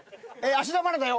「芦田愛菜だよ」。